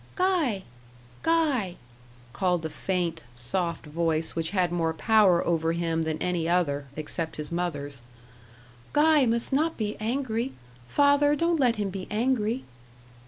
"Guy Guy " called the faint, soft voice which had more power over him than any other, except his mother's. "Guy must not be angry. Father, don't let him be angry."